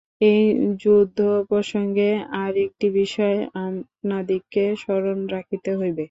এই যুদ্ধপ্রসঙ্গে আর একটি বিষয় আপনাদিগকে স্মরণ রাখিতে হইবে।